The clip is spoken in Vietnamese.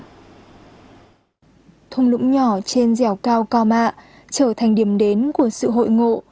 thung lũng nhỏ trên dẻo cao mạ trở thành điểm đến của sự hội ngộ